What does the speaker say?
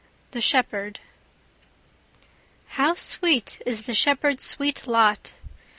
THE SHEPHERD How sweet is the shepherd's sweet lot!